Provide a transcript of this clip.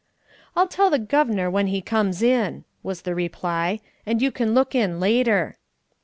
"I'll tell the guv'nor when he comes in," was the reply, "and you can look in later."